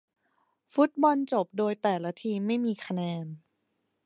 ฟุตบอลจบโดยแต่ละทีมไม่มีคะแนน